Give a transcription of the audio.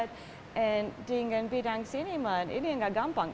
dan dengan bidang siniman ini tidak gampang